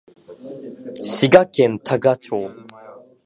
滋賀県多賀町